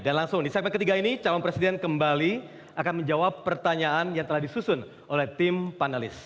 dan langsung di segmen ketiga ini calon presiden kembali akan menjawab pertanyaan yang telah disusun oleh tim panelis